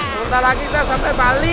sebentar lagi kita sampai bali